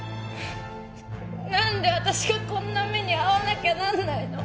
何であたしがこんな目に遭わなきゃなんないの？